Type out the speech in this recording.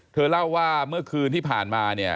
เธอเล่าว่าเมื่อคืนที่ผ่านมาเนี่ย